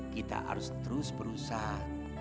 kita harus terus berusaha